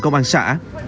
công an xã